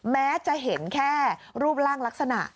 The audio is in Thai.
แม้จะเห็นแค่รูปร่างลักษณะ